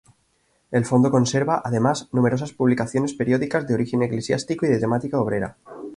El fondo conserva, además, numerosas publicaciones periódicas de origen eclesiástico y de temática obrera.